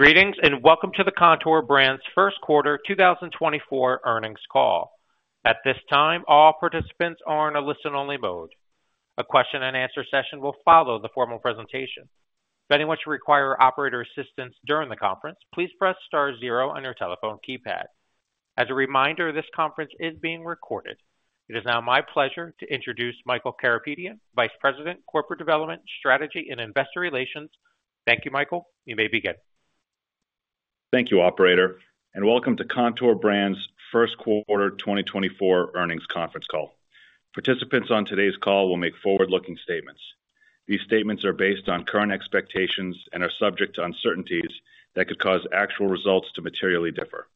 Greetings, and welcome to the Kontoor Brands' first quarter, 2024 earnings call. At this time, all participants are in a listen-only mode. A question and answer session will follow the formal presentation. If anyone should require operator assistance during the conference, please press star zero on your telephone keypad. As a reminder, this conference is being recorded. It is now my pleasure to introduce Michael Karapetian, Vice President, Corporate Development, Strategy and Investor Relations. Thank you, Michael. You may begin. Thank you, operator, and welcome to Kontoor Brands first quarter 2024 earnings conference call. Participants on today's call will make forward-looking statements. These statements are based on current expectations and are subject to uncertainties that could cause actual results to materially differ.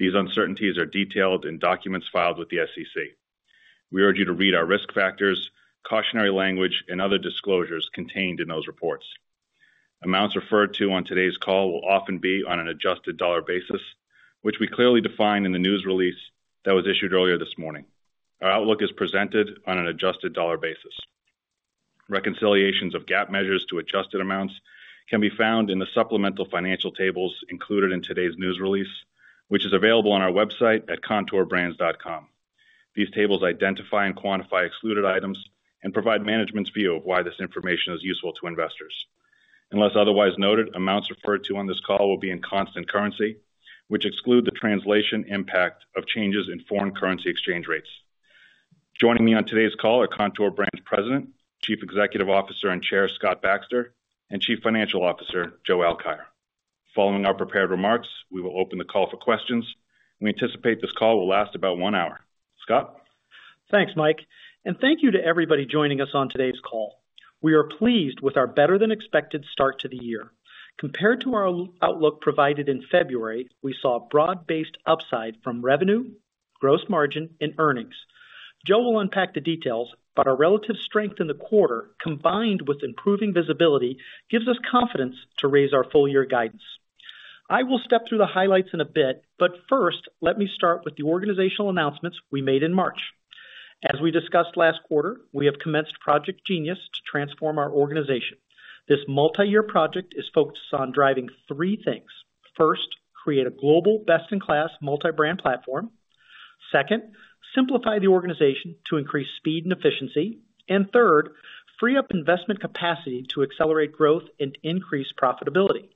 These uncertainties are detailed in documents filed with the SEC. We urge you to read our risk factors, cautionary language, and other disclosures contained in those reports. Amounts referred to on today's call will often be on an adjusted dollar basis, which we clearly define in the news release that was issued earlier this morning. Our outlook is presented on an adjusted dollar basis. Reconciliations of GAAP measures to adjusted amounts can be found in the supplemental financial tables included in today's news release, which is available on our website at kontoorbrands.com. These tables identify and quantify excluded items and provide management's view of why this information is useful to investors. Unless otherwise noted, amounts referred to on this call will be in constant currency, which exclude the translation impact of changes in foreign currency exchange rates. Joining me on today's call are Kontoor Brands' President, Chief Executive Officer and Chair, Scott Baxter, and Chief Financial Officer, Joe Alkire. Following our prepared remarks, we will open the call for questions. We anticipate this call will last about one hour. Scott? Thanks, Mike, and thank you to everybody joining us on today's call. We are pleased with our better than expected start to the year. Compared to our outlook provided in February, we saw a broad-based upside from revenue, gross margin, and earnings. Joe will unpack the details, but our relative strength in the quarter, combined with improving visibility, gives us confidence to raise our full year guidance. I will step through the highlights in a bit, but first, let me start with the organizational announcements we made in March. As we discussed last quarter, we have commenced Project Genius to transform our organization. This multi-year project is focused on driving three things. First, create a global best-in-class multi-brand platform. Second, simplify the organization to increase speed and efficienc and third, free up investment capacity to accelerate growth and increase profitability.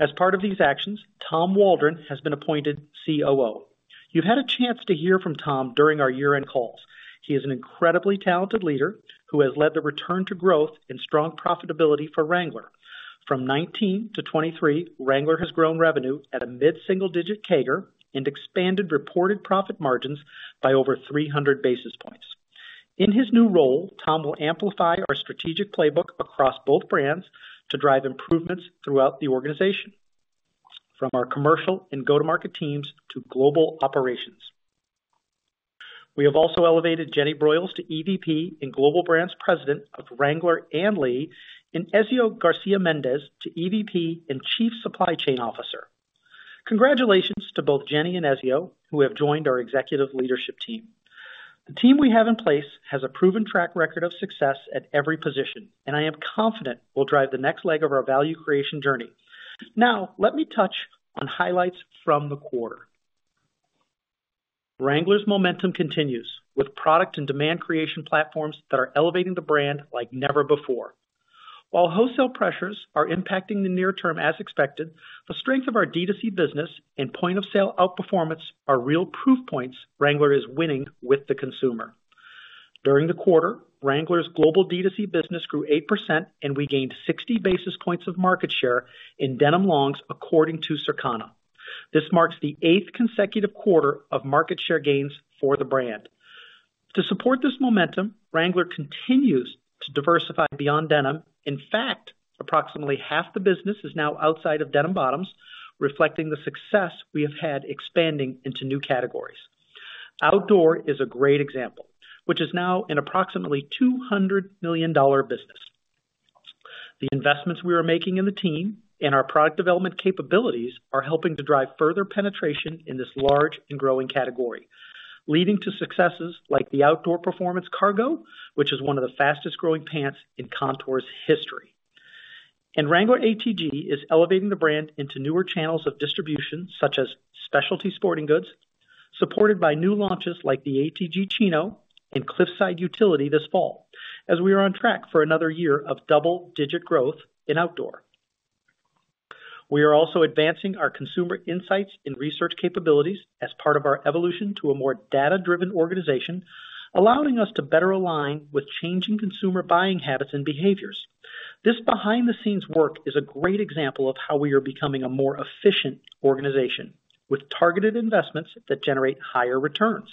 As part of these actions, Tom Waldron has been appointed COO. You've had a chance to hear from Tom during our year-end calls. He is an incredibly talented leader, who has led the return to growth and strong profitability for Wrangler. From 2019-2023, Wrangler has grown revenue at a mid-single digit CAGR and expanded reported profit margins by over 300 basis points. In his new role, Tom will amplify our strategic playbook across both brands to drive improvements throughout the organization, from our commercial and go-to-market teams to global operations. We have also elevated Jenni Broyles to EVP and Global Brands President of Wrangler and Lee, and Ezio Garciamendez to EVP and Chief Supply Chain Officer. Congratulations to both Jennie and Ezio, who have joined our executive leadership team. The team we have in place has a proven track record of success at every position, and I am confident will drive the next leg of our value creation journey. Now, let me touch on highlights from the quarter. Wrangler's momentum continues, with product and demand creation platforms that are elevating the brand like never before. While wholesale pressures are impacting the near term as expected, the strength of our DTC business and point of sale outperformance are real proof points Wrangler is winning with the consumer. During the quarter, Wrangler's global DTC business grew 8%, and we gained 60 basis points of market share in denim longs, according to Circana. This marks the eighth consecutive quarter of market share gains for the brand. To support this momentum, Wrangler continues to diversify beyond denim. In fact, approximately half the business is now outside of denim bottoms, reflecting the success we have had expanding into new categories. Outdoor is a great example, which is now an approximately $200 million business. The investments we are making in the team and our product development capabilities are helping to drive further penetration in this large and growing category, leading to successes like the Outdoor Performance Cargo, which is one of the fastest growing pants in Kontoor's history. Wrangler ATG is elevating the brand into newer channels of distribution, such as specialty sporting goods, supported by new launches like the ATG Chino and Cliffside Utility this fall, as we are on track for another year of double-digit growth in outdoor. We are also advancing our consumer insights and research capabilities as part of our evolution to a more data-driven organization, allowing us to better align with changing consumer buying habits and behaviors. This behind-the-scenes work is a great example of how we are becoming a more efficient organization, with targeted investments that generate higher returns.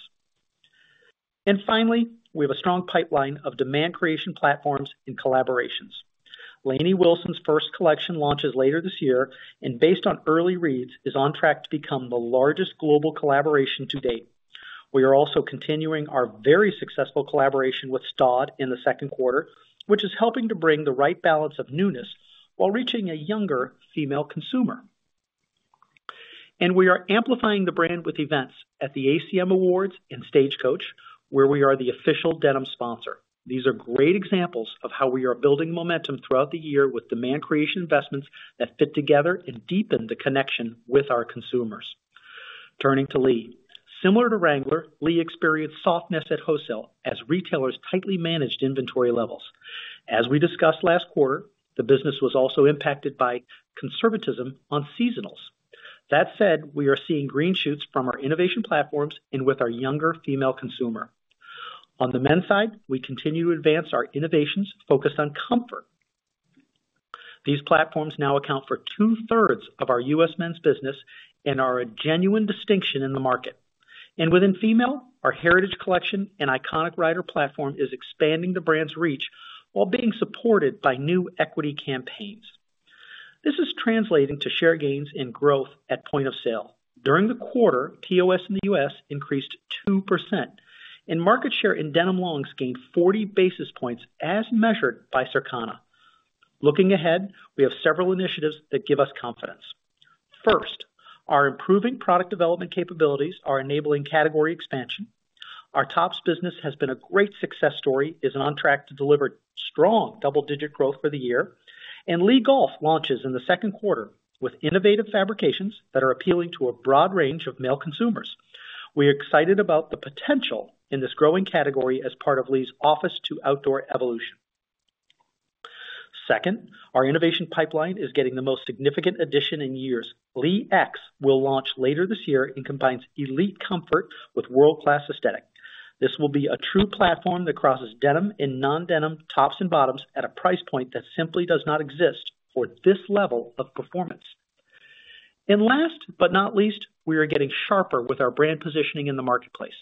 Finally, we have a strong pipeline of demand creation platforms and collaborations. Lainey Wilson's first collection launches later this year, and based on early reads, is on track to become the largest global collaboration to-date. We are also continuing our very successful collaboration with STAUD in the second quarter, which is helping to bring the right balance of newness while reaching a younger female consumer. We are amplifying the brand with events at the ACM Awards and Stagecoach, where we are the official denim sponsor. These are great examples of how we are building momentum throughout the year with demand creation investments that fit together and deepen the connection with our consumers. Turning to Lee. Similar to Wrangler, Lee experienced softness at wholesale as retailers tightly managed inventory levels. As we discussed last quarter, the business was also impacted by conservatism on seasonals. That said, we are seeing green shoots from our innovation platforms and with our younger female consumer. On the men's side, we continue to advance our innovations focused on comfort. These platforms now account for two-thirds of our U.S. men's business and are a genuine distinction in the market. Within female, our heritage collection and iconic Rider platform is expanding the brand's reach while being supported by new equity campaigns. This is translating to share gains in growth at point of sale. During the quarter, POS in the U.S. increased 2%, and market share in denim longs gained 40 basis points as measured by Circana. Looking ahead, we have several initiatives that give us confidence. First, our improving product development capabilities are enabling category expansion. Our tops business has been a great success story, is on track to deliver strong double-digit growth for the year, and Lee Golf launches in the second quarter with innovative fabrications that are appealing to a broad range of male consumers. We are excited about the potential in this growing category as part of Lee's office to outdoor evolution. Second, our innovation pipeline is getting the most significant addition in years. Lee X will launch later this year and combines elite comfort with world-class aesthetic. This will be a true platform that crosses denim and non-denim, tops and bottoms, at a price point that simply does not exist for this level of performance. Last, but not least, we are getting sharper with our brand positioning in the marketplace.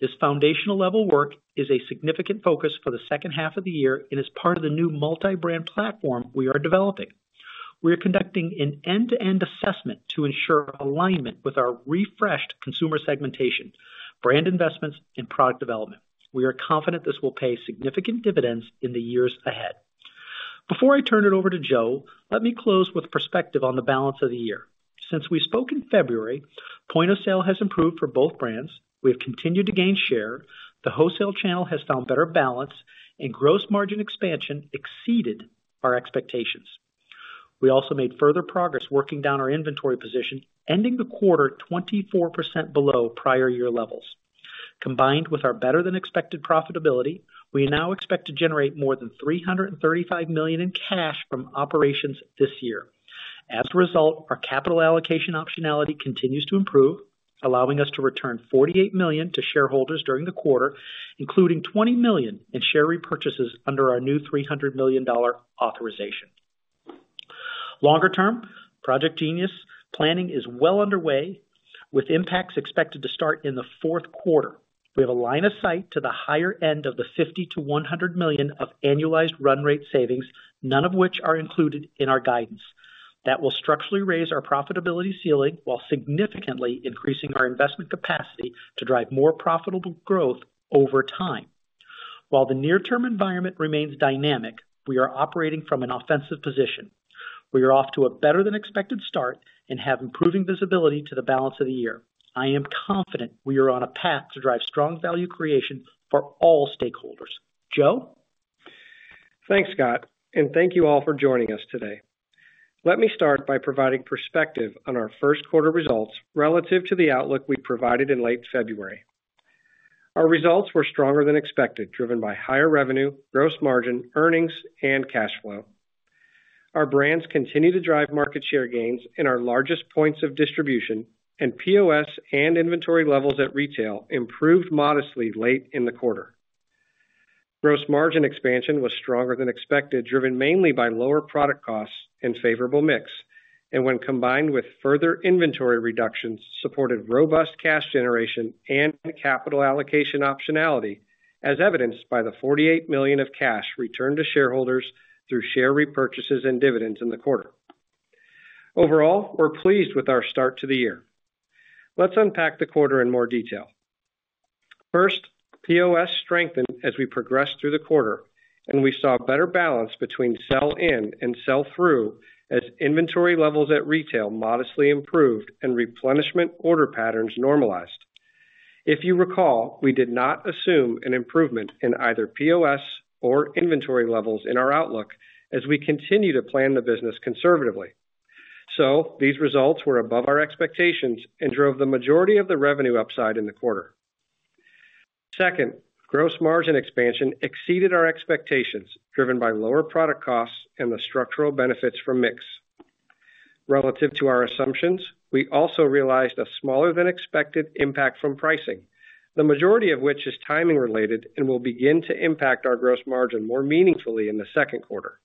This foundational level work is a significant focus for the second half of the year and is part of the new multi-brand platform we are developing. We are conducting an end-to-end assessment to ensure alignment with our refreshed consumer segmentation, brand investments, and product development. We are confident this will pay significant dividends in the years ahead. Before I turn it over to Joe, let me close with perspective on the balance of the year. Since we spoke in February, point of sale has improved for both brands. We have continued to gain share, the wholesale channel has found better balance, and gross margin expansion exceeded our expectations. We also made further progress working down our inventory position, ending the quarter 24% below prior year levels. Combined with our better-than-expected profitability, we now expect to generate more than $335 million in cash from operations this year. As a result, our capital allocation optionality continues to improve, allowing us to return $48 million to shareholders during the quarter, including $20 million in share repurchases under our new $300 million authorization. Longer term, Project Genius planning is well underway, with impacts expected to start in the fourth quarter. We have a line of sight to the higher end of the $50 million-$100 million of annualized run rate savings, none of which are included in our guidance. That will structurally raise our profitability ceiling, while significantly increasing our investment capacity to drive more profitable growth over time. While the near-term environment remains dynamic, we are operating from an offensive position. We are off to a better than expected start and have improving visibility to the balance of the year. I am confident we are on a path to drive strong value creation for all stakeholders. Joe? Thanks, Scott, and thank you all for joining us today. Let me start by providing perspective on our first quarter results relative to the outlook we provided in late February. Our results were stronger than expected, driven by higher revenue, gross margin, earnings, and cash flow. Our brands continue to drive market share gains in our largest points of distribution, and POS and inventory levels at retail improved modestly late in the quarter. Gross margin expansion was stronger than expected, driven mainly by lower product costs and favorable mix, and when combined with further inventory reductions, supported robust cash generation and capital allocation optionality, as evidenced by the $48 million of cash returned to shareholders through share repurchases and dividends in the quarter. Overall, we're pleased with our start to the year. Let's unpack the quarter in more detail. First, POS strengthened as we progressed through the quarter, and we saw a better balance between sell-in and sell-through as inventory levels at retail modestly improved and replenishment order patterns normalized. If you recall, we did not assume an improvement in either POS or inventory levels in our outlook as we continue to plan the business conservatively. So these results were above our expectations and drove the majority of the revenue upside in the quarter. Second, gross margin expansion exceeded our expectations, driven by lower product costs and the structural benefits from mix. Relative to our assumptions, we also realized a smaller-than-expected impact from pricing, the majority of which is timing related and will begin to impact our gross margin more meaningfully in the second quarter.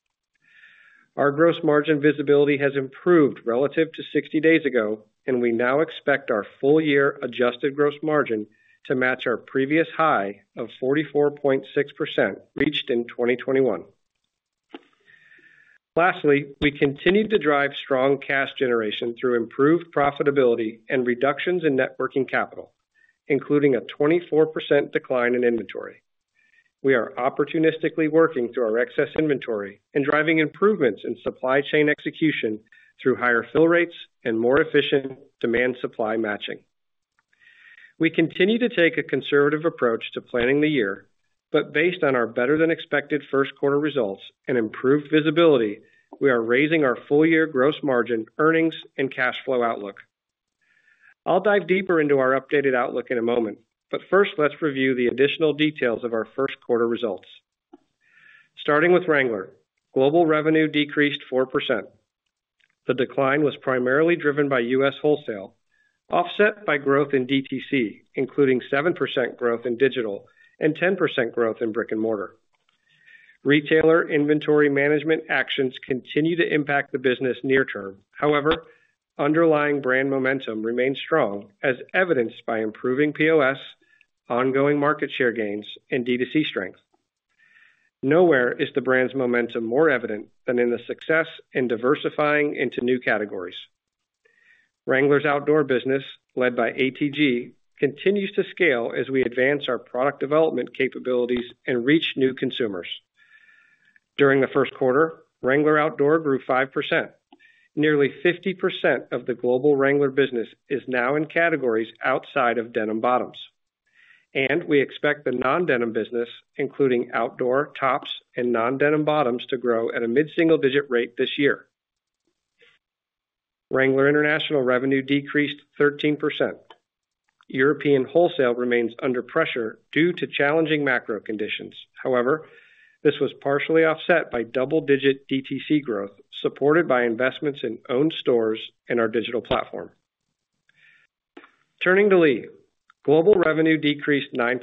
Our gross margin visibility has improved relative to 60 days ago, and we now expect our full year adjusted gross margin to match our previous high of 44.6%, reached in 2021. Lastly, we continued to drive strong cash generation through improved profitability and reductions in net working capital, including a 24% decline in inventory. We are opportunistically working through our excess inventory and driving improvements in supply chain execution through higher fill rates and more efficient demand-supply matching. We continue to take a conservative approach to planning the year, but based on our better-than-expected first quarter results and improved visibility, we are raising our full year gross margin, earnings, and cash flow outlook. I'll dive deeper into our updated outlook in a moment, but first, let's review the additional details of our first quarter results. Starting with Wrangler, global revenue decreased 4%. The decline was primarily driven by U.S. wholesale, offset by growth in DTC, including 7% growth in digital and 10% growth in brick and mortar. Retailer inventory management actions continue to impact the business near term. However, underlying brand momentum remains strong, as evidenced by improving POS, ongoing market share gains, and DTC strength. Nowhere is the brand's momentum more evident than in the success in diversifying into new categories. Wrangler's outdoor business, led by ATG, continues to scale as we advance our product development capabilities and reach new consumers. During the first quarter, Wrangler Outdoor grew 5%. Nearly 50% of the global Wrangler business is now in categories outside of denim bottoms, and we expect the non-denim business, including outdoor, tops, and non-denim bottoms, to grow at a mid-single digit rate this year. Wrangler International revenue decreased 13%. European wholesale remains under pressure due to challenging macro conditions. However, this was partially offset by double-digit DTC growth, supported by investments in own stores and our digital platform. Turning to Lee. Global revenue decreased 9%.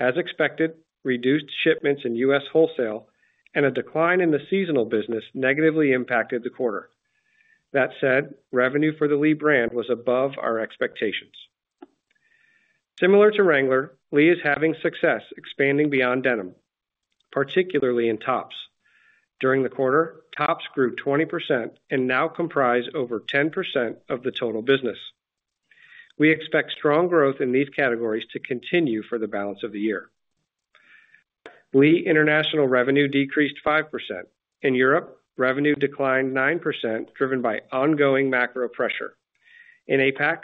As expected, reduced shipments in U.S. wholesale and a decline in the seasonal business negatively impacted the quarter. That said, revenue for the Lee brand was above our expectations. Similar to Wrangler, Lee is having success expanding beyond denim, particularly in tops. During the quarter, tops grew 20% and now comprise over 10% of the total business. We expect strong growth in these categories to continue for the balance of the year. Lee International revenue decreased 5%. In Europe, revenue declined 9%, driven by ongoing macro pressure. In APAC,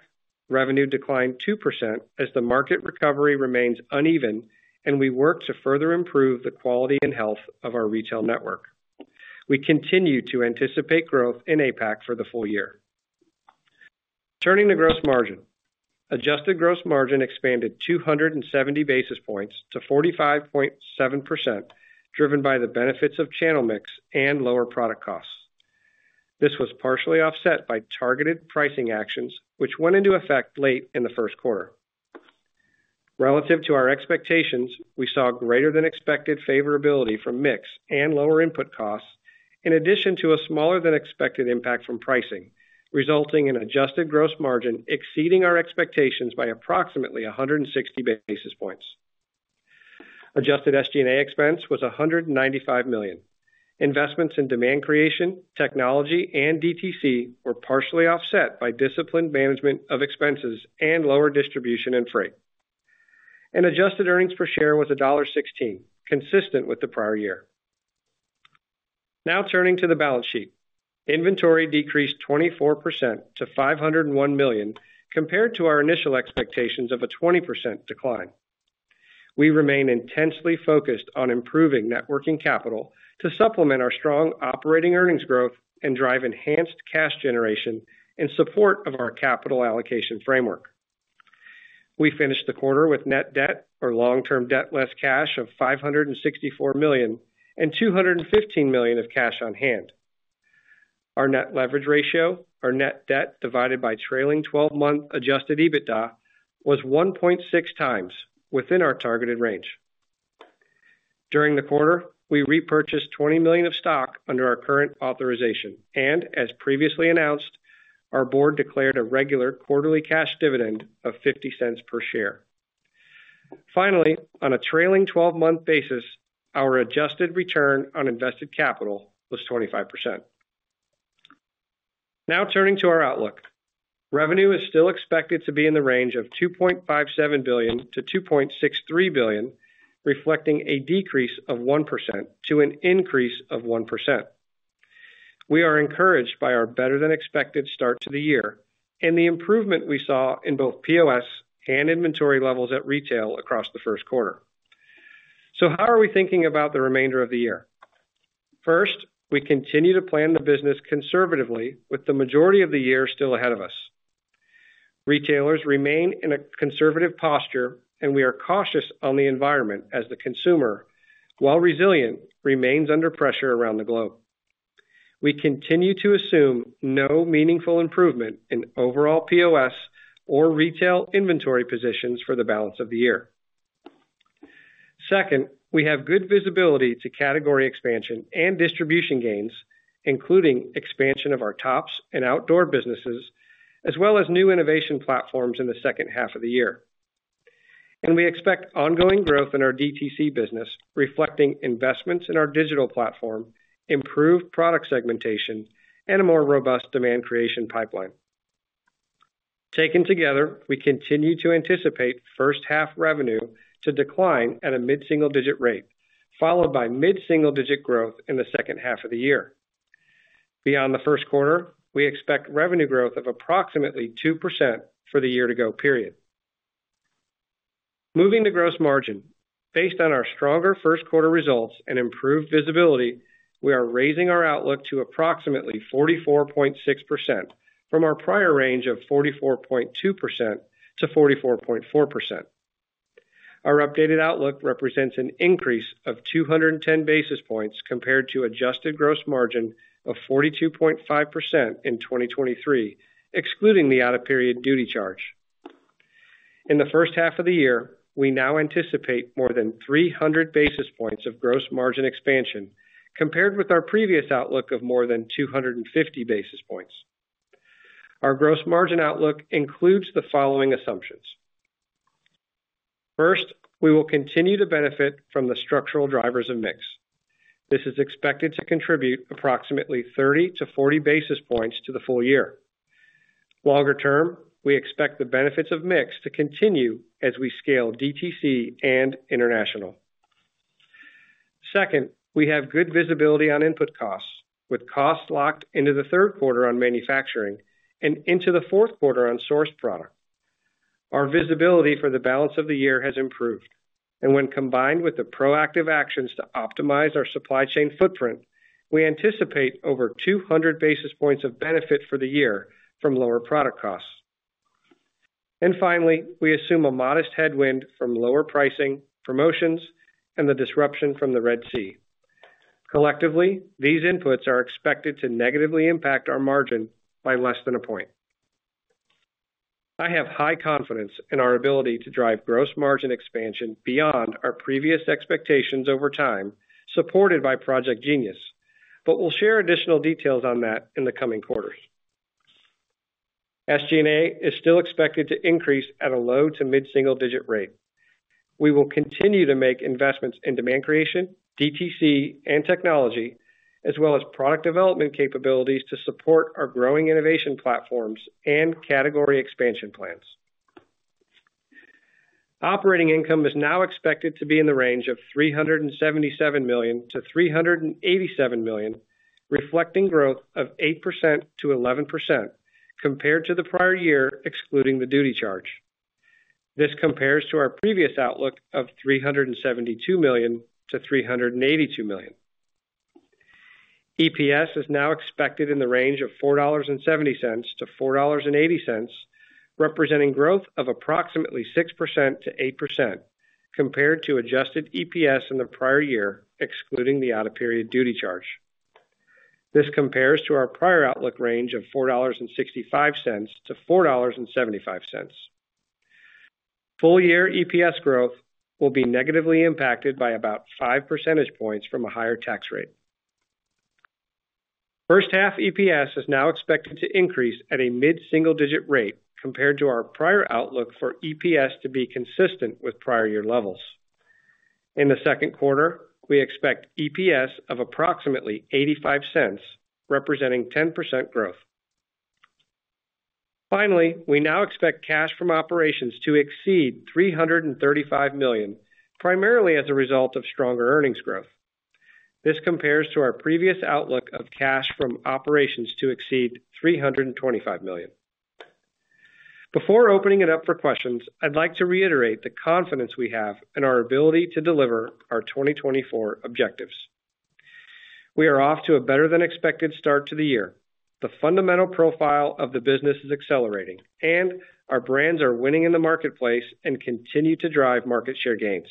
revenue declined 2% as the market recovery remains uneven and we work to further improve the quality and health of our retail network. We continue to anticipate growth in APAC for the full year. Turning to gross margin. Adjusted gross margin expanded 270 basis points to 45.7%, driven by the benefits of channel mix and lower product costs. This was partially offset by targeted pricing actions, which went into effect late in the first quarter. Relative to our expectations, we saw greater than expected favorability from mix and lower input costs, in addition to a smaller than expected impact from pricing, resulting in adjusted gross margin exceeding our expectations by approximately 160 basis points. Adjusted SG&A expense was $195 million. Investments in demand creation, technology, and DTC were partially offset by disciplined management of expenses and lower distribution and freight. Adjusted earnings per share was $1.16, consistent with the prior year. Now, turning to the balance sheet. Inventory decreased 24% to $501 million, compared to our initial expectations of a 20% decline. We remain intensely focused on improving net working capital to supplement our strong operating earnings growth and drive enhanced cash generation in support of our capital allocation framework. We finished the quarter with net debt or long-term debt, less cash of $564 million, and $215 million of cash on hand. Our net leverage ratio, our net debt divided by trailing 12-month Adjusted EBITDA, was 1.6x within our targeted range. During the quarter, we repurchased $20 million of stock under our current authorization, and as previously announced, our board declared a regular quarterly cash dividend of $0.50 per share. Finally, on a trailing 12-month basis, our adjusted return on invested capital was 25%. Now turning to our outlook. Revenue is still expected to be in the range of $2.57 billion-$2.63 billion, reflecting a decrease of 1% to an increase of 1%. We are encouraged by our better than expected start to the year and the improvement we saw in both POS and inventory levels at retail across the first quarter. So how are we thinking about the remainder of the year? First, we continue to plan the business conservatively, with the majority of the year still ahead of us. Retailers remain in a conservative posture, and we are cautious on the environment as the consumer, while resilient, remains under pressure around the globe. We continue to assume no meaningful improvement in overall POS or retail inventory positions for the balance of the year. Second, we have good visibility to category expansion and distribution gains, including expansion of our tops and outdoor businesses, as well as new innovation platforms in the second half of the year. We expect ongoing growth in our DTC business, reflecting investments in our digital platform, improved product segmentation, and a more robust demand creation pipeline. Taken together, we continue to anticipate first half revenue to decline at a mid-single digit rate, followed by mid-single digit growth in the second half of the year. Beyond the first quarter, we expect revenue growth of approximately 2% for the year-to-go period. Moving to gross margin. Based on our stronger first quarter results and improved visibility, we are raising our outlook to approximately 44.6% from our prior range of 44.2%-44.4%. Our updated outlook represents an increase of 210 basis points compared to adjusted gross margin of 42.5% in 2023, excluding the out-of-period duty charge. In the first half of the year, we now anticipate more than 300 basis points of gross margin expansion, compared with our previous outlook of more than 250 basis points. Our gross margin outlook includes the following assumptions: First, we will continue to benefit from the structural drivers of mix. This is expected to contribute approximately 30-40 basis points to the full year. Longer term, we expect the benefits of mix to continue as we scale DTC and international. Second, we have good visibility on input costs, with costs locked into the third quarter on manufacturing and into the fourth quarter on sourced product. Our visibility for the balance of the year has improved, and when combined with the proactive actions to optimize our supply chain footprint, we anticipate over 200 basis points of benefit for the year from lower product costs. Finally, we assume a modest headwind from lower pricing, promotions, and the disruption from the Red Sea. Collectively, these inputs are expected to negatively impact our margin by less than a point. I have high confidence in our ability to drive gross margin expansion beyond our previous expectations over time, supported by Project Genius, but we'll share additional details on that in the coming quarters. SG&A is still expected to increase at a low- to mid-single-digit rate. We will continue to make investments in demand creation, DTC and technology, as well as product development capabilities to support our growing innovation platforms and category expansion plans. Operating income is now expected to be in the range of $377 million-$387 million, reflecting growth of 8%-11% compared to the prior year, excluding the duty charge. This compares to our previous outlook of $372 million-$382 million. EPS is now expected in the range of $4.70-$4.80, representing growth of approximately 6%-8% compared to Adjusted EPS in the prior year, excluding the out-of-period duty charge. This compares to our prior outlook range of $4.65-$4.75. Full year EPS growth will be negatively impacted by about five percentage points from a higher tax rate. First half EPS is now expected to increase at a mid-single digit rate compared to our prior outlook for EPS to be consistent with prior year levels. In the second quarter, we expect EPS of approximately $0.85, representing 10% growth. Finally, we now expect cash from operations to exceed $335 million, primarily as a result of stronger earnings growth. This compares to our previous outlook of cash from operations to exceed $325 million. Before opening it up for questions, I'd like to reiterate the confidence we have in our ability to deliver our 2024 objectives. We are off to a better than expected start to the year. The fundamental profile of the business is accelerating, and our brands are winning in the marketplace and continue to drive market share gains.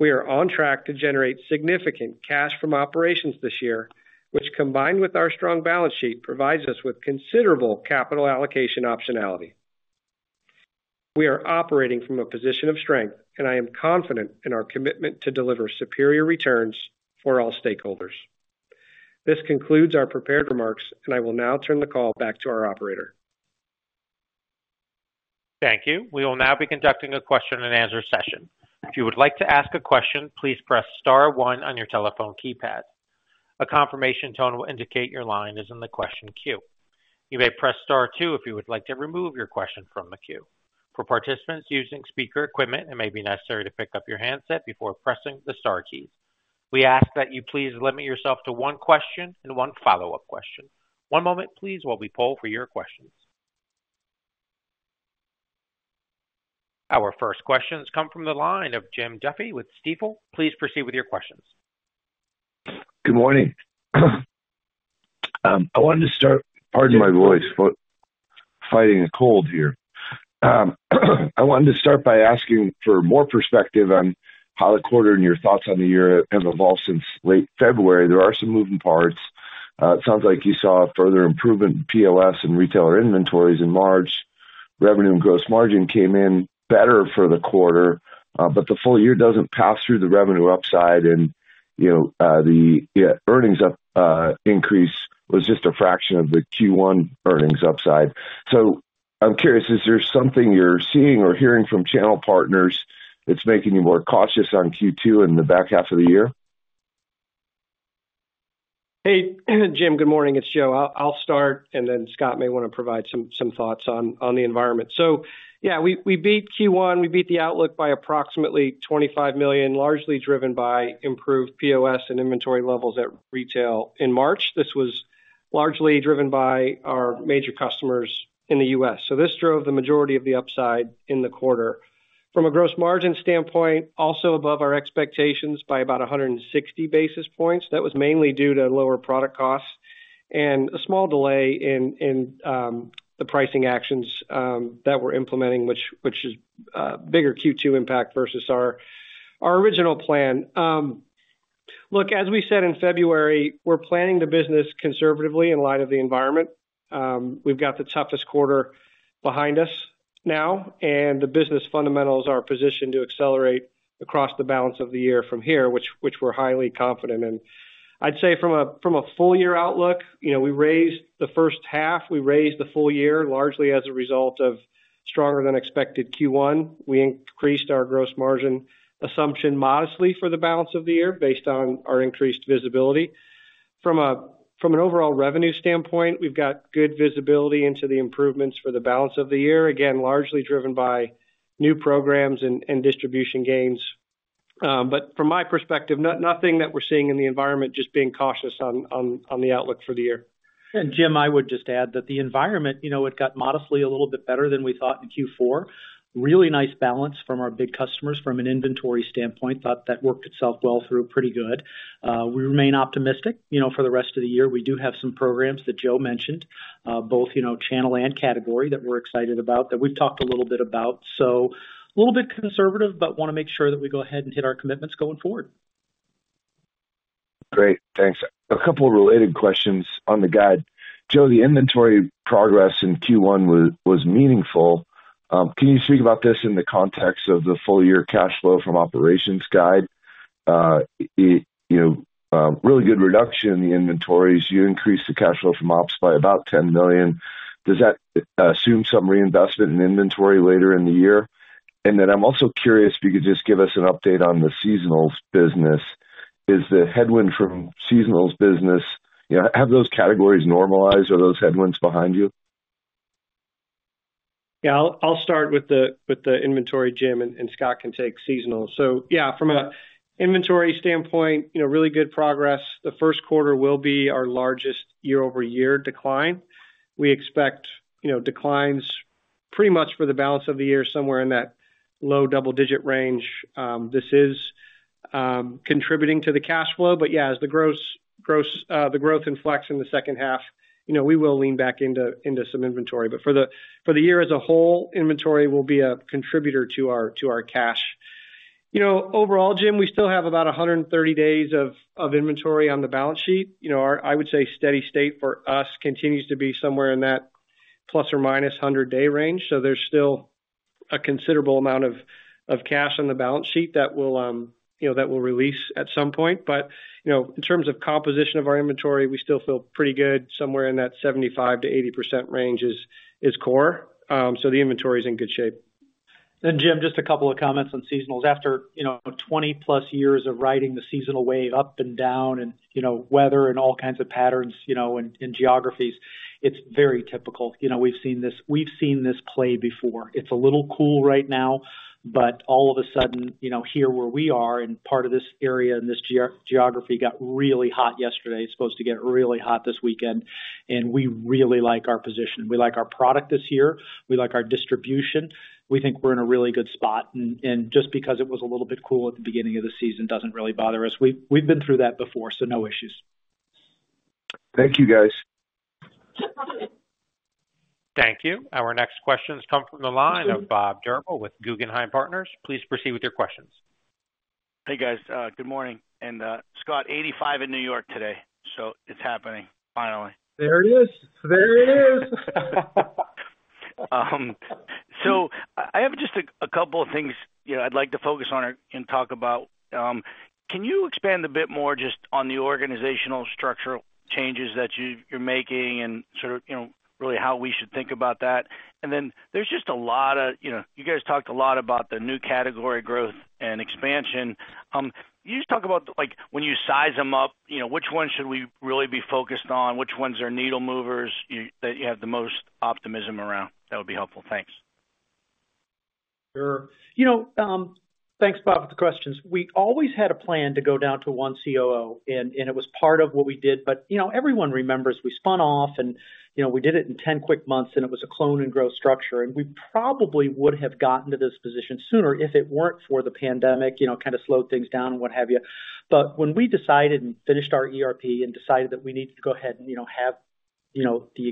We are on track to generate significant cash from operations this year, which, combined with our strong balance sheet, provides us with considerable capital allocation optionality. We are operating from a position of strength, and I am confident in our commitment to deliver superior returns for all stakeholders. This concludes our prepared remarks, and I will now turn the call back to our operator. Thank you. We will now be conducting a question-and-answer session. If you would like to ask a question, please press star one on your telephone keypad. A confirmation tone will indicate your line is in the question queue. You may press star two if you would like to remove your question from the queue. For participants using speaker equipment, it may be necessary to pick up your handset before pressing the star keys. We ask that you please limit yourself to one question and one follow-up question. One moment, please, while we poll for your questions. Our first questions come from the line of Jim Duffy with Stifel. Please proceed with your questions. Good morning. Pardon my voice, fighting a cold here. I wanted to start by asking for more perspective on how the quarter and your thoughts on the year have evolved since late February. There are some moving parts. It sounds like you saw a further improvement in POS and retailer inventories in March. Revenue and gross margin came in better for the quarter, but the full year doesn't pass through the revenue upside and, you know, the earnings upside increase was just a fraction of the Q1 earnings upside. So I'm curious, is there something you're seeing or hearing from channel partners that's making you more cautious on Q2 in the back half of the year? Hey, Jim, good morning. It's Joe. I'll start, and then Scott may want to provide some thoughts on the environment. So yeah, we beat Q1. We beat the outlook by approximately $25 million, largely driven by improved POS and inventory levels at retail in March. This was largely driven by our major customers in the U.S. So this drove the majority of the upside in the quarter. From a gross margin standpoint, also above our expectations by about 160 basis points. That was mainly due to lower product costs and a small delay in the pricing actions that we're implementing, which is bigger Q2 impact versus our original plan. Look, as we said in February, we're planning the business conservatively in light of the environment. We've got the toughest quarter behind us now, and the business fundamentals are positioned to accelerate across the balance of the year from here, which we're highly confident in. I'd say from a full year outlook, you know, we raised the first half, we raised the full year, largely as a result of stronger than expected Q1. We increased our gross margin assumption modestly for the balance of the year, based on our increased visibility. From an overall revenue standpoint, we've got good visibility into the improvements for the balance of the year, again, largely driven by new programs and distribution gains. But from my perspective, nothing that we're seeing in the environment, just being cautious on the outlook for the year. Jim, I would just add that the environment, you know, it got modestly a little bit better than we thought in Q4. Really nice balance from our big customers from an inventory standpoint. Thought that worked itself well through pretty good. We remain optimistic, you know, for the rest of the year. We do have some programs that Joe mentioned, both, you know, channel and category, that we're excited about, that we've talked a little bit about. A little bit conservative, but wanna make sure that we go ahead and hit our commitments going forward. Great. Thanks. A couple of related questions on the guide. Joe, the inventory progress in Q1 was meaningful. Can you speak about this in the context of the full year cash flow from operations guide? It, you know, really good reduction in the inventories. You increased the cash flow from ops by about $10 million. Does that assume some reinvestment in inventory later in the year? Then I'm also curious if you could just give us an update on the seasonals business. Is the headwind from seasonals business... You know, have those categories normalized? Are those headwinds behind you? Yeah, I'll start with the inventory, Jim, and Scott can take seasonal. So yeah, from an inventory standpoint, you know, really good progress. The first quarter will be our largest year-over-year decline. We expect, you know, declines pretty much for the balance of the year, somewhere in that low double-digit range. This is contributing to the cash flow, but yeah, as the growth in flex in the second half, you know, we will lean back into some inventory but for the year as a whole, inventory will be a contributor to our cash. You know, overall, Jim, we still have about 130 days of inventory on the balance sheet. You know, our steady state for us continues to be somewhere in that ±100-day range, so there's still a considerable amount of cash on the balance sheet that will, you know, that will release at some point. But, you know, in terms of composition of our inventory, we still feel pretty good. Somewhere in that 75%-80% range is core. So the inventory is in good shape. Jim, just a couple of comments on seasonals. After, you know, 20+ years of riding the seasonal wave up and down and, you know, weather and all kinds of patterns, you know, and, and geographies, it's very typical. You know, we've seen this, we've seen this play before. It's a little cool right now, but all of a sudden, you know, here where we are in part of this area and this geography got really hot yesterday. It's supposed to get really hot this weekend, and we really like our position. We like our product this year. We like our distribution. We think we're in a really good spot, and, and just because it was a little bit cool at the beginning of the season, doesn't really bother us. We've been through that before, so no issues. Thank you, guys. Thank you. Our next questions come from the line of Bob Drbul with Guggenheim Partners. Please proceed with your questions. Hey, guys, good morning. Scott, 85 in New York today, so it's happening finally. There it is. There it is. So I have just a couple of things, you know, I'd like to focus on and talk about. Can you expand a bit more just on the organizational structural changes that you're making and sort of, you know, really how we should think about that? Then there's just a lot of... You know, you guys talked a lot about the new category growth and expansion. Can you just talk about, like, when you size them up, you know, which ones should we really be focused on? Which ones are needle movers that you have the most optimism around? That would be helpful. Thanks. Sure. You know, thanks, Bob, for the questions. We always had a plan to go down to one COO, and it was part of what we did. But, you know, everyone remembers we spun off and, you know, we did it in 10 quick months, and it was a clone and growth structure and we probably would have gotten to this position sooner if it weren't for the pandemic, you know, kind of slowed things down and what have you. But when we decided and finished our ERP and decided that we needed to go ahead and, you know, have, you know, the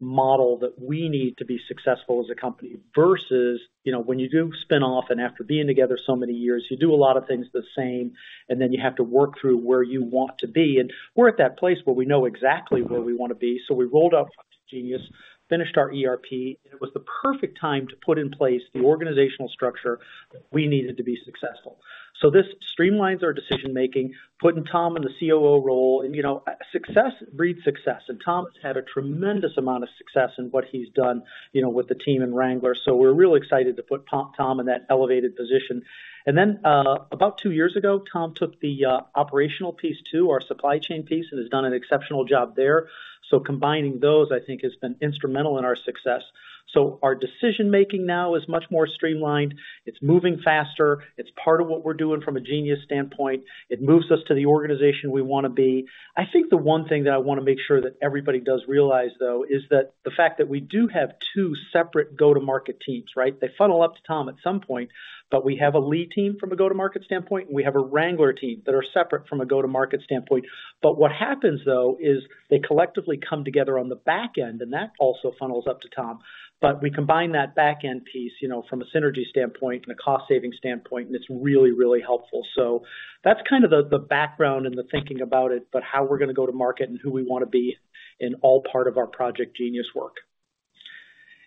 exact model that we need to be successful as a company, versus, you know, when you do spin off and after being together so many years, you do a lot of things the same, and then you have to work through where you want to be. And we're at that place where we know exactly where we want to be. So we rolled out Genius, finished our ERP, and it was the perfect time to put in place the organizational structure we needed to be successful. So this streamlines our decision-making, putting Tom in the COO role. You know, success breeds success, and Tom has had a tremendous amount of success in what he's done, you know, with the team in Wrangler. So we're real excited to put Tom in that elevated position. Then, about two years ago, Tom took the operational piece to our supply chain piece, and has done an exceptional job there. So combining those, I think, has been instrumental in our success. So our decision-making now is much more streamlined. It's moving faster. It's part of what we're doing from a Genius standpoint. It moves us to the organization we wanna be. I think the one thing that I wanna make sure that everybody does realize, though, is that the fact that we do have two separate go-to-market teams, right? They funnel up to Tom at some point, but we have a Lee team from a go-to-market standpoint, and we have a Wrangler team that are separate from a go-to-market standpoint. But what happens, though, is they collectively come together on the back end, and that also funnels up to Tom. But we combine that back end piece, you know, from a synergy standpoint and a cost-saving standpoint, and it's really, really helpful. So that's kind of the background and the thinking about it, but how we're gonna go to market and who we wanna be is all part of our Project Genius work.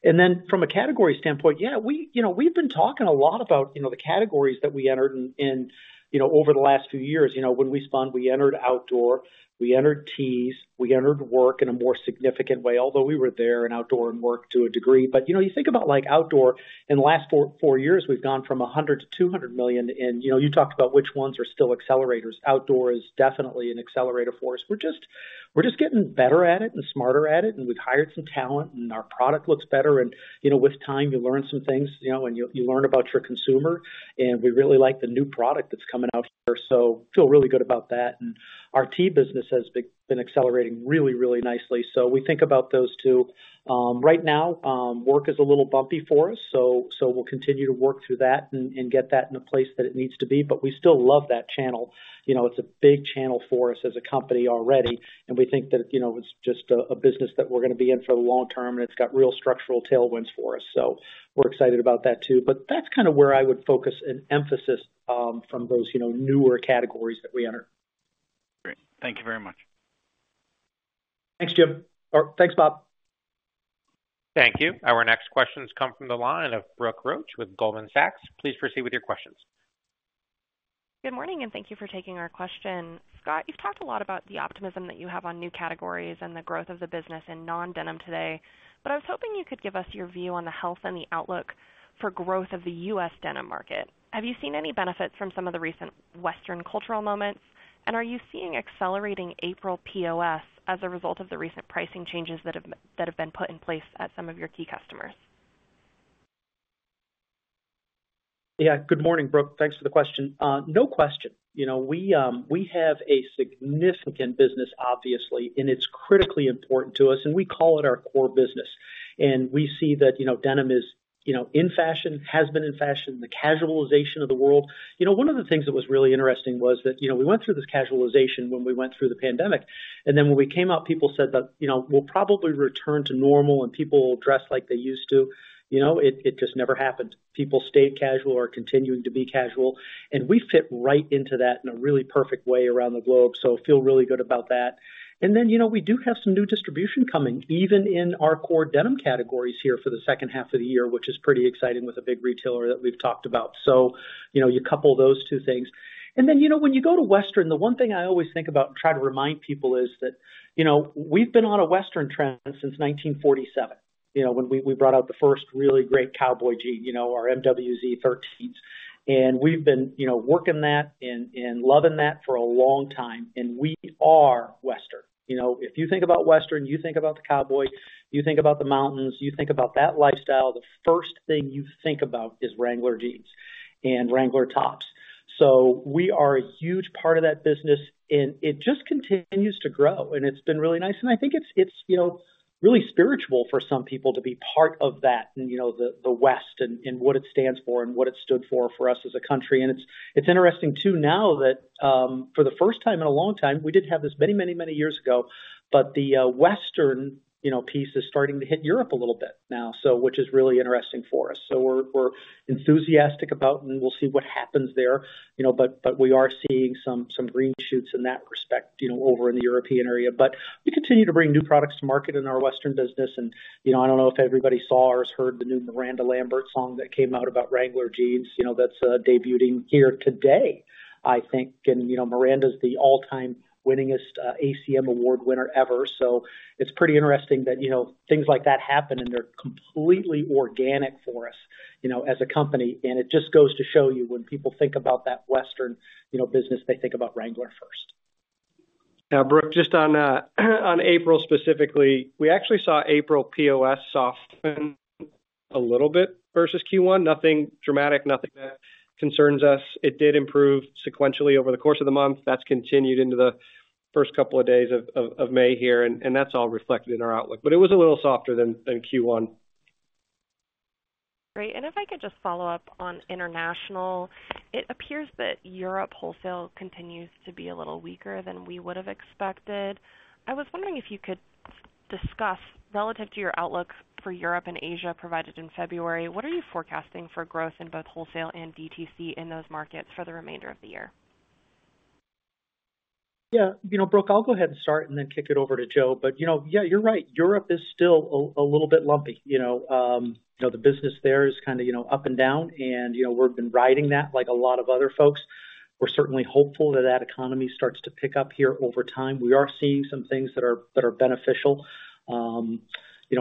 Then from a category standpoint, yeah, you know, we've been talking a lot about, you know, the categories that we entered in, in, you know, over the last few years. You know, when we spun, we entered outdoor, we entered tees, we entered work in a more significant way, although we were there in outdoor and work to a degree. But, you know, you think about, like, outdoor, in the last four years, we've gone from $100 million to $200 million in... You know, you talked about which ones are still accelerators. Outdoor is definitely an accelerator for us. We're just getting better at it and smarter at it, and we've hired some talent, and our product looks better. You know, with time, you learn some things, you know, and you learn about your consumer, and we really like the new product that's coming out there, so feel really good about that and our tee business has been accelerating really, really nicely, so we think about those two. Right now, work is a little bumpy for us, so we'll continue to work through that and get that in a place that it needs to be. But we still love that channel. You know, it's a big channel for us as a company already, and we think that, you know, it's just a business that we're gonna be in for the long term, and it's got real structural tailwinds for us. So we're excited about that, too. But that's kind of where I would focus an emphasis from those, you know, newer categories that we enter. Great. Thank you very much. Thanks, Jim, or thanks, Bob. Thank you. Our next questions come from the line of Brooke Roach with Goldman Sachs. Please proceed with your questions. Good morning, and thank you for taking our question. Scott, you've talked a lot about the optimism that you have on new categories and the growth of the business in non-denim today, but I was hoping you could give us your view on the health and the outlook for growth of the U.S. denim market. Have you seen any benefits from some of the recent Western cultural moments? Are you seeing accelerating April POS as a result of the recent pricing changes that have been put in place at some of your key customers? Yeah. Good morning, Brooke. Thanks for the question. No question. You know, we have a significant business, obviously, and it's critically important to us, and we call it our core business and we see that, you know, denim is, you know, in fashion, has been in fashion, the casualization of the world. You know, one of the things that was really interesting was that, you know, we went through this casualization when we went through the pandemic, and then when we came out, people said that, you know, "We'll probably return to normal, and people will dress like they used to." You know, it just never happened. People stayed casual or continuing to be casual, and we fit right into that in a really perfect way around the globe, so feel really good about that. Then, you know, we do have some new distribution coming, even in our core denim categories here for the second half of the year, which is pretty exciting with a big retailer that we've talked about. So, you know, you couple those two things. Then, you know, when you go to Western, the one thing I always think about and try to remind people is that, you know, we've been on a Western trend since 1947, you know, when we brought out the first really great cowboy jean, you know, our 13MWZ. We've been, you know, working that and loving that for a long time, and we are Western. You know, if you think about Western, you think about the cowboy, you think about the mountains, you think about that lifestyle, the first thing you think about is Wrangler jeans and Wrangler tops. So we are a huge part of that business, and it just continues to grow, and it's been really nice. I think it's, you know, really spiritual for some people to be part of that, and, you know, the West and what it stands for and what it stood for for us as a country. It's interesting, too, now that for the first time in a long time, we did have this many, many, many years ago, but the Western, you know, piece is starting to hit Europe a little bit now, so which is really interesting for us. So we're enthusiastic about, and we'll see what happens there. You know, but we are seeing some green shoots in that respect, you know, over in the European area. But we continue to bring new products to market in our Western business and, you know, I don't know if everybody saw or has heard the new Miranda Lambert song that came out about Wrangler jeans, you know, that's debuting here today, I think. You know, Miranda's the all-time winningest ACM Award winner ever. So it's pretty interesting that, you know, things like that happen, and they're completely organic for us, you know, as a company and it just goes to show you, when people think about that Western, you know, business, they think about Wrangler first. Now, Brooke, just on April specifically, we actually saw April POS soften a little bit versus Q1. Nothing dramatic, nothing that concerns us. It did improve sequentially over the course of the month. That's continued into the first couple of days of May here, and that's all reflected in our outlook. But it was a little softer than Q1. Great. If I could just follow up on International. It appears that Europe wholesale continues to be a little weaker than we would have expected. I was wondering if you could discuss, relative to your outlook for Europe and Asia, provided in February, what are you forecasting for growth in both wholesale and DTC in those markets for the remainder of the year? Yeah, you know, Brooke, I'll go ahead and start and then kick it over to Joe. But, you know, yeah, you're right. Europe is still a little bit lumpy. You know, the business there is kinda, you know, up and down, and, you know, we've been riding that like a lot of other folks. We're certainly hopeful that that economy starts to pick up here over time. We are seeing some things that are beneficial. You know,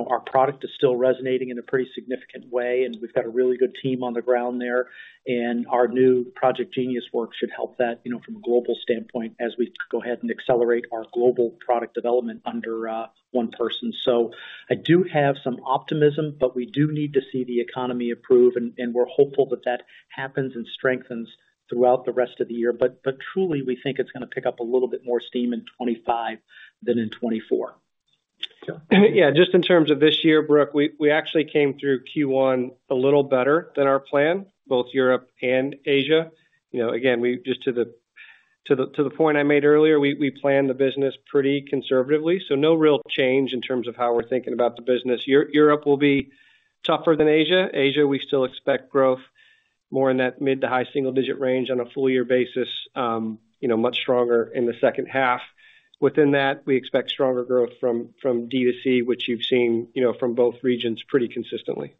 our product is still resonating in a pretty significant way, and we've got a really good team on the ground there, and our new Project Genius work should help that, you know, from a global standpoint as we go ahead and accelerate our global product development under one person. So I do have some optimism, but we do need to see the economy improve, and we're hopeful that that happens and strengthens throughout the rest of the year. But truly, we think it's gonna pick up a little bit more steam in 2025 than in 2024. Yeah, just in terms of this year, Brooke, we actually came through Q1 a little better than our plan, both Europe and Asia. You know, again, just to the point I made earlier, we planned the business pretty conservatively, so no real change in terms of how we're thinking about the business. Europe will be tougher than Asia. Asia, we still expect growth more in that mid- to high-single-digit range on a full year basis, you know, much stronger in the second half. Within that, we expect stronger growth from DTC, which you've seen, you know, from both regions pretty consistently.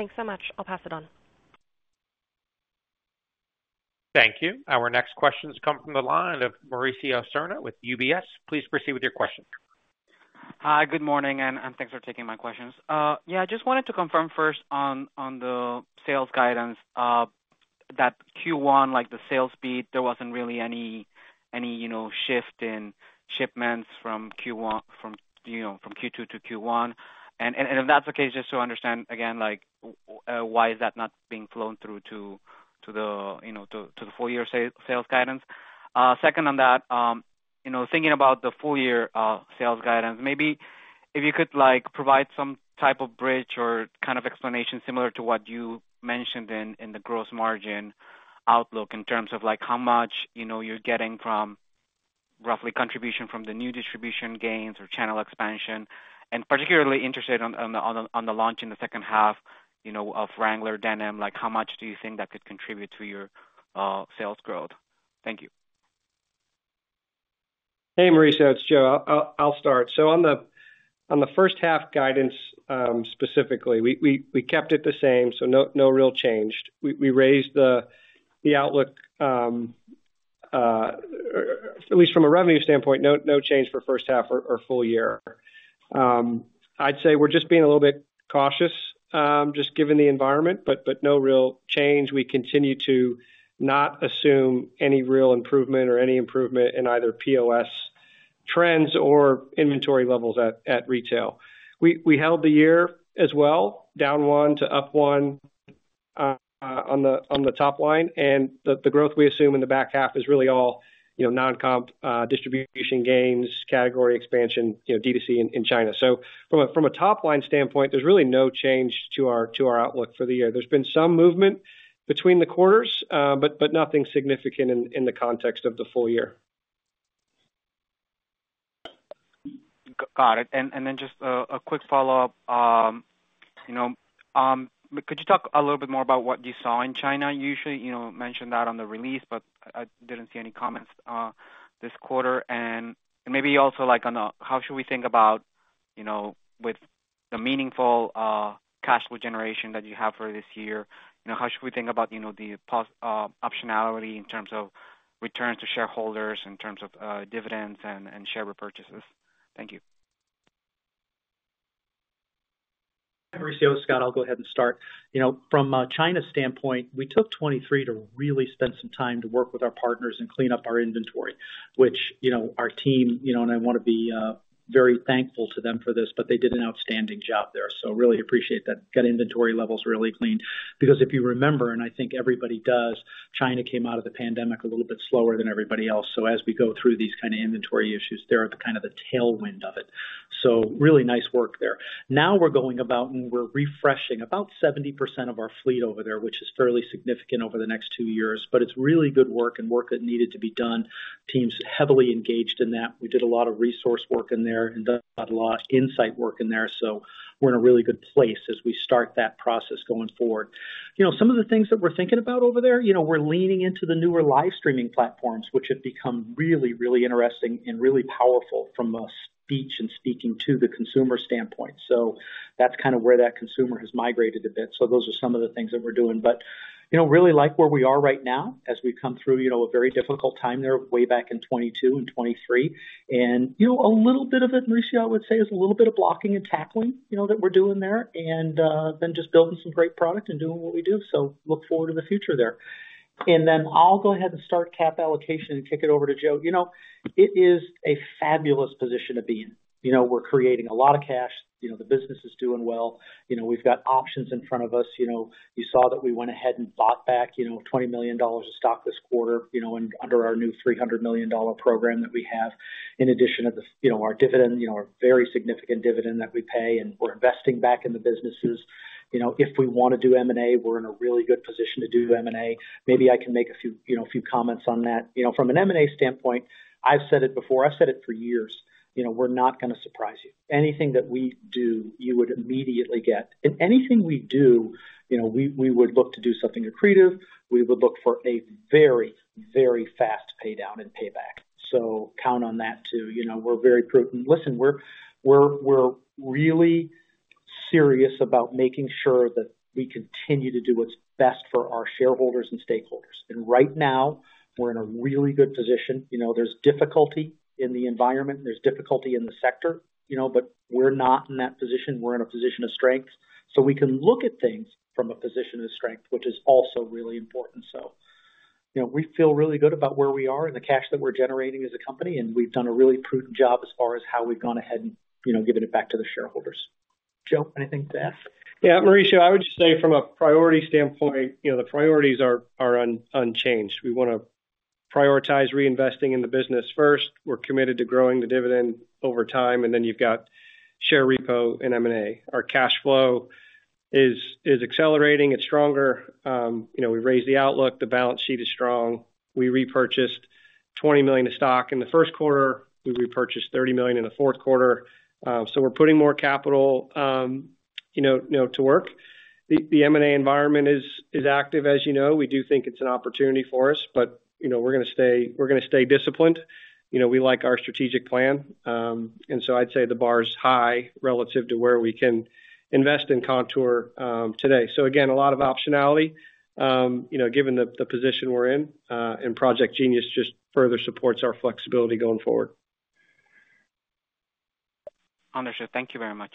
Thanks so much. I'll pass it on. Thank you. Our next question is coming from the line of Mauricio Serna with UBS. Please proceed with your question. Hi, good morning, and thanks for taking my questions. Yeah, I just wanted to confirm first on the sales guidance that Q1, like, the sales speed, there wasn't really any, you know, shift in shipments from Q1 from, you know, from Q2 to Q1, and if that's the case, just to understand, again, like, why is that not being flown through to the, you know, to the full year sales guidance? Second on that, you know, thinking about the full year sales guidance, maybe if you could, like, provide some type of bridge or kind of explanation, similar to what you mentioned in the gross margin outlook, in terms of, like, how much, you know, you're getting from roughly contribution from the new distribution gains or channel expansion. Particularly interested in the launch in the second half, you know, of Wrangler denim, like, how much do you think that could contribute to your sales growth? Thank you. Hey, Mauricio, it's Joe. I'll start. So on the first half guidance, specifically, we kept it the same, so no real change. We raised the outlook, at least from a revenue standpoint, no change for first half or full year. I'd say we're just being a little bit cautious, just given the environment, but no real change. We continue to not assume any real improvement or any improvement in either POS trends or inventory levels at retail. We held the year as well, down 1% to up 1%, on the top line, and the growth we assume in the back half is really all, you know, non-comp, distribution gains, category expansion, you know, DTC in China. So from a top-line standpoint, there's really no change to our outlook for the year. There's been some movement between the quarters, but nothing significant in the context of the full year. Got it. Then just a quick follow-up. You know, could you talk a little bit more about what you saw in China? You usually, you know, mention that on the release, but I didn't see any comments this quarter. Maybe also, like, on the... how should we think about, you know, with the meaningful cash flow generation that you have for this year, you know, how should we think about, you know, the optionality in terms of returns to shareholders, in terms of dividends and share repurchases? Thank you. Mauricio, Scott, I'll go ahead and start. You know, from a China standpoint, we took 23 to really spend some time to work with our partners and clean up our inventory, which, you know, our team, you know, and I wanna be very thankful to them for this, but they did an outstanding job there. So really appreciate that. Got inventory levels really clean, because if you remember, and I think everybody does, China came out of the pandemic a little bit slower than everybody else. So as we go through these kind of inventory issues, they're at the kind of the tailwind of it. So really nice work there. Now we're going about, and we're refreshing about 70% of our fleet over there, which is fairly significant over the next two years, but it's really good work and work that needed to be done. Team's heavily engaged in that. We did a lot of resource work in there and done a lot of insight work in there, so we're in a really good place as we start that process going forward. You know, some of the things that we're thinking about over there, you know, we're leaning into the newer live streaming platforms, which have become really, really interesting and really powerful from a speech and speaking to the consumer standpoint. So that's kind of where that consumer has migrated a bit. So those are some of the things that we're doing. But, you know, really like where we are right now, as we come through, you know, a very difficult time there, way back in 2022 and 2023. You know, a little bit of it, Mauricio, I would say, is a little bit of blocking and tackling, you know, that we're doing there, and then just building some great product and doing what we do. So look forward to the future there. Then I'll go ahead and start cap allocation and kick it over to Joe. You know, it is a fabulous position to be in. You know, we're creating a lot of cash. You know, the business is doing well. You know, we've got options in front of us. You know, you saw that we went ahead and bought back, you know, $20 million of stock this quarter, you know, and under our new $300 million program that we have, in addition of the, you know, our dividend, you know, our very significant dividend that we pay, and we're investing back in the businesses. You know, if we wanna do M&A, we're in a really good position to do M&A. Maybe I can make a few, you know, a few comments on that. You know, from an M&A standpoint, I've said it before, I've said it for years, you know, we're not gonna surprise you. Anything that we do, you would immediately get. Anything we do, you know, we would look to do something accretive. We would look for a very, very fast paydown and payback. So count on that too. You know, we're very prudent. Listen, we're really serious about making sure that we continue to do what's best for our shareholders and stakeholders. Right now, we're in a really good position. You know, there's difficulty in the environment, there's difficulty in the sector, you know, but we're not in that position. We're in a position of strength. So we can look at things from a position of strength, which is also really important. So, you know, we feel really good about where we are and the cash that we're generating as a company, and we've done a really prudent job as far as how we've gone ahead and, you know, given it back to the shareholders. Joe, anything to add? Yeah, Mauricio, I would just say from a priority standpoint, you know, the priorities are unchanged. We wanna prioritize reinvesting in the business first. We're committed to growing the dividend over time, and then you've got share repo and M&A. Our cash flow is accelerating. It's stronger. You know, we raised the outlook. The balance sheet is strong. We repurchased $20 million of stock in the first quarter. We repurchased $30 million in the fourth quarter. So we're putting more capital, you know, to work. The M&A environment is active, as you know. We do think it's an opportunity for us, but, you know, we're gonna stay disciplined. You know, we like our strategic plan. So I'd say the bar is high relative to where we can invest in Kontoor today. So again, a lot of optionality, you know, given the position we're in, and Project Genius just further supports our flexibility going forward. Understood. Thank you very much.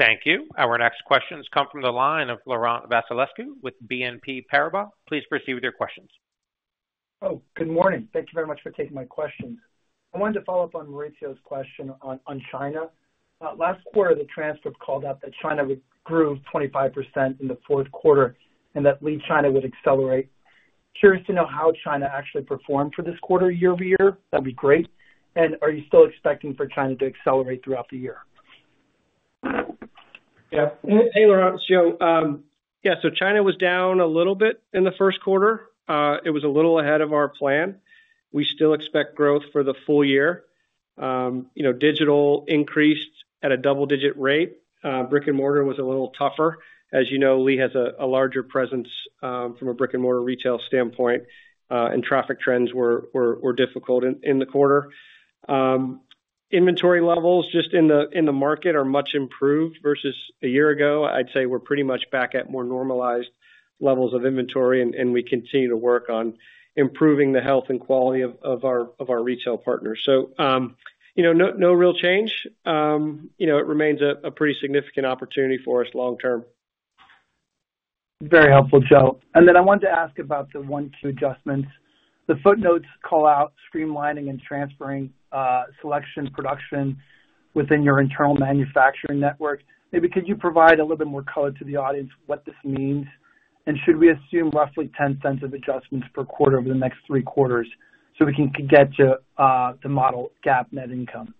Thank you. Our next questions come from the line of Laurent Vasilescu with BNP Paribas. Please proceed with your questions. Oh, good morning. Thank you very much for taking my questions. I wanted to follow up on Mauricio's question on, on China. Last quarter, the transcripts called out that China would grew 25% in the fourth quarter and that Lee China would accelerate. Curious to know how China actually performed for this quarter year-over-year? That'd be great. Are you still expecting for China to accelerate throughout the year? Yeah. Hey, Laurent, so, yeah, so China was down a little bit in the first quarter. It was a little ahead of our plan. We still expect growth for the full year. You know, digital increased at a double-digit rate. Brick-and-mortar was a little tougher. As you know, Lee has a larger presence from a brick-and-mortar retail standpoint, and traffic trends were difficult in the quarter. Inventory levels just in the market are much improved versus a year ago. I'd say we're pretty much back at more normalized levels of inventory, and we continue to work on improving the health and quality of our retail partners. So, you know, no real change. You know, it remains a pretty significant opportunity for us long term. Very helpful, Joe. Then I wanted to ask about the one-time adjustments. The footnotes call out streamlining and transferring selection production within your internal manufacturing network. Maybe could you provide a little bit more color to the audience, what this means? Should we assume roughly $0.10 of adjustments per quarter over the next three quarters, so we can get to the model GAAP net income?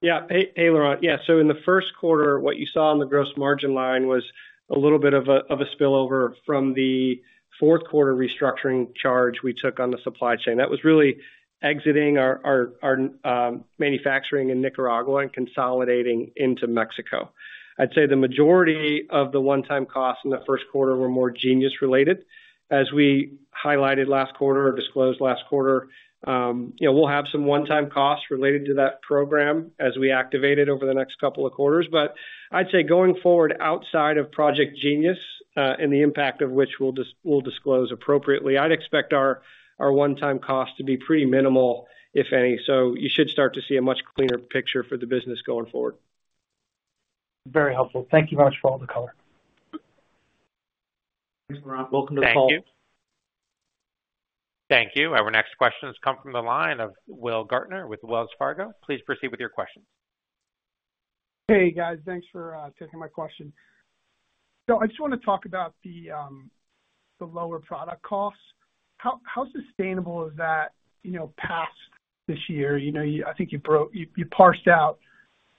Yeah. Hey, hey, Laurent. Yeah, so in the first quarter, what you saw on the gross margin line was a little bit of a spillover from the fourth quarter restructuring charge we took on the supply chain. That was really exiting our manufacturing in Nicaragua and consolidating into Mexico. I'd say the majority of the one-time costs in the first quarter were more Genius related. As we highlighted last quarter or disclosed last quarter, you know, we'll have some one-time costs related to that program as we activate it over the next couple of quarters. But I'd say, going forward, outside of Project Genius, and the impact of which we'll disclose appropriately, I'd expect our one-time costs to be pretty minimal, if any. So you should start to see a much cleaner picture for the business going forward. Very helpful. Thank you much for all the color. Thanks, Laurent. Welcome to the call. Thank you. Thank you. Our next questions come from the line of Will Gaertner with Wells Fargo. Please proceed with your question. Hey, guys. Thanks for taking my question. So I just wanna talk about the lower product costs. How sustainable is that, you know, past this year? You know, I think you parsed out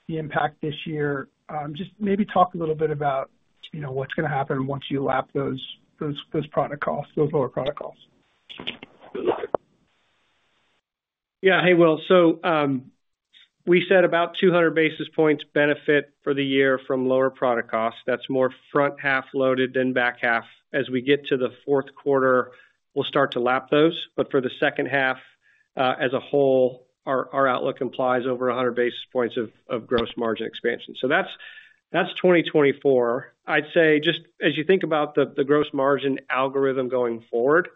the impact this year. Just maybe talk a little bit about, you know, what's gonna happen once you lap those product costs, those lower product costs. Yeah. Hey, Will. So, we said about 200 basis points benefit for the year from lower product costs. That's more front half loaded than back half. As we get to the fourth quarter, we'll start to lap those. But for the second half, as a whole, our, our outlook implies over 100 basis points of gross margin expansion. So that's 2024. I'd say, just as you think about the gross margin algorithm going forward,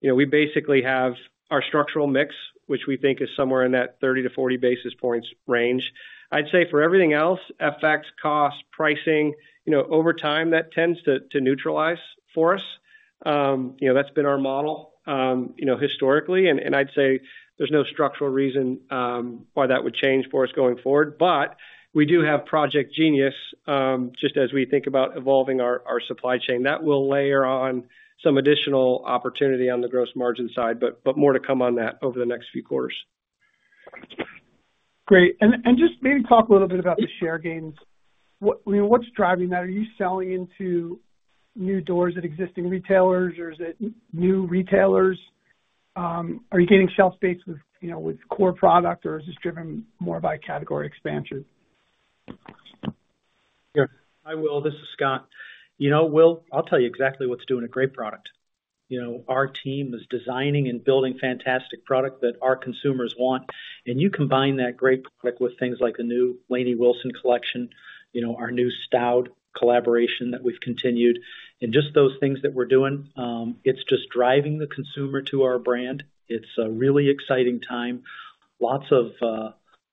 you know, we basically have our structural mix, which we think is somewhere in that 30-40 basis points range. I'd say for everything else, FX costs, pricing, you know, over time, that tends to neutralize for us. You know, that's been our model, you know, historically, and I'd say there's no structural reason why that would change for us going forward. But we do have Project Genius, just as we think about evolving our supply chain. That will layer on some additional opportunity on the gross margin side, but more to come on that over the next few quarters. Great. Just maybe talk a little bit about the share gains. You know, what's driving that? Are you selling into new doors at existing retailers, or is it new retailers? Are you gaining shelf space with, you know, with core product, or is this driven more by category expansion? Yeah. Hi, Will, this is Scott. You know, Will, I'll tell you exactly what's doing a great product. You know, our team is designing and building fantastic product that our consumers want, and you combine that great product with things like the new Lainey Wilson collection, you know, our new STAUD collaboration that we've continued, and just those things that we're doing. It's just driving the consumer to our brand. It's a really exciting time. Lots of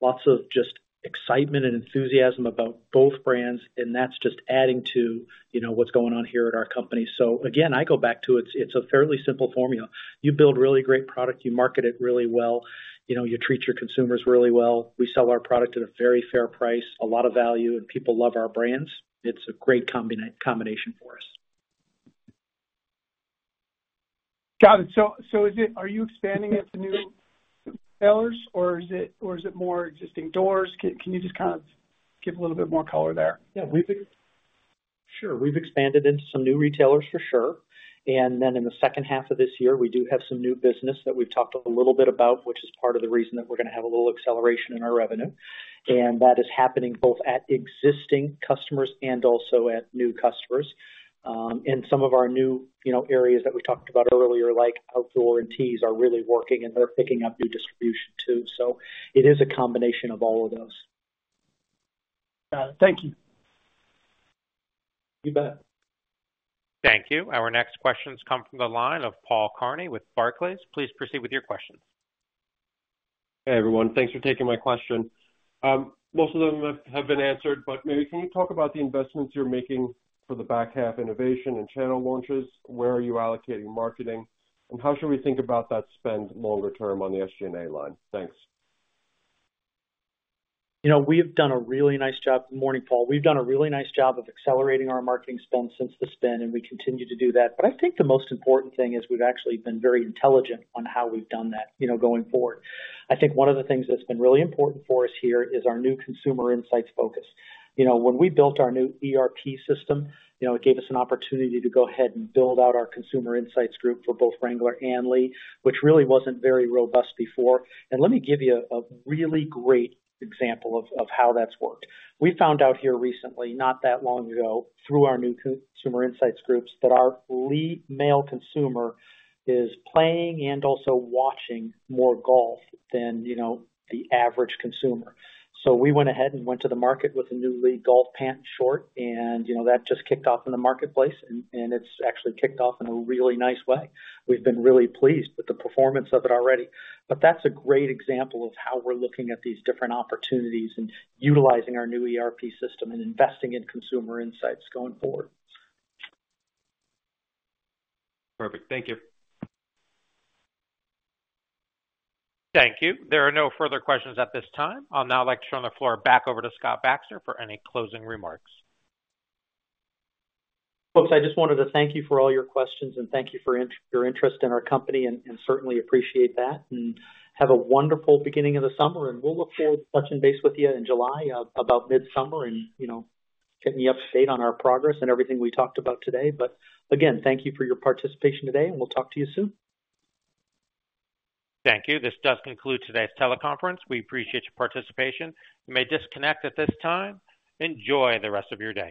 lots of just excitement and enthusiasm about both brands, and that's just adding to, you know, what's going on here at our company. So again, I go back to it's a fairly simple formula. You build really great product, you market it really well, you know, you treat your consumers really well. We sell our product at a very fair price, a lot of value, and people love our brands. It's a great combination for us. Got it! So, are you expanding into new retailers or is it more existing doors? Can you just kind of give a little bit more color there? Sure. We've expanded into some new retailers for sure and then in the second half of this year, we do have some new business that we've talked a little bit about, which is part of the reason that we're gonna have a little acceleration in our revenue. That is happening both at existing customers and also at new customers. Some of our new, you know, areas that we talked about earlier, like outdoor and tees, are really working, and they're picking up new distribution, too. So it is a combination of all of those. Thank you. You bet. Thank you. Our next questions come from the line of Paul Kearney with Barclays. Please proceed with your question. Hey, everyone. Thanks for taking my question. Most of them have been answered, but maybe can you talk about the investments you're making for the back half innovation and channel launches? Where are you allocating marketing, and how should we think about that spend longer term on the SG&A line? Thanks. You know, we have done a really nice job. Good morning, Paul. We've done a really nice job of accelerating our marketing spend since the spin, and we continue to do that. But I think the most important thing is we've actually been very intelligent on how we've done that, you know, going forward. I think one of the things that's been really important for us here is our new consumer insights focus. You know, when we built our new ERP system, you know, it gave us an opportunity to go ahead and build out our consumer insights group for both Wrangler and Lee, which really wasn't very robust before. Let me give you a really great example of how that's worked. We found out here recently, not that long ago, through our new consumer insights groups, that our lead male consumer is playing and also watching more golf than, you know, the average consumer. So we went ahead and went to the market with a new Lee golf pant short, and, you know, that just kicked off in the marketplace, and, and it's actually kicked off in a really nice way. We've been really pleased with the performance of it already. But that's a great example of how we're looking at these different opportunities and utilizing our new ERP system and investing in consumer insights going forward. Perfect. Thank you. Thank you. There are no further questions at this time. I'll now like to turn the floor back over to Scott Baxter for any closing remarks. Folks, I just wanted to thank you for all your questions, and thank you for your interest in our company, and certainly appreciate that. Have a wonderful beginning of the summer, and we'll look forward to touching base with you in July, about mid-summer and, you know, getting you up to date on our progress and everything we talked about today. But again, thank you for your participation today, and we'll talk to you soon. Thank you. This does conclude today's teleconference. We appreciate your participation. You may disconnect at this time. Enjoy the rest of your day.